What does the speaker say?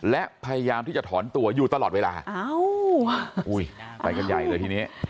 และพยายามที่จะถอนตัวอยู่ตลอดเวลาอุ้ยไปกันใหญ่เลยทีนี้